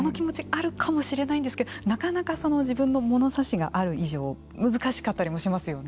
その気持ち、あるかもしれないんですけどなかなか自分の物差しがある以上難しかったりもしますよね。